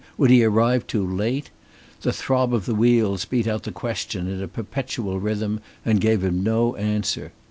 Would he arrive too late? The throb of the wheels beat out the questions in a perpetual rhythm and gave him no answer.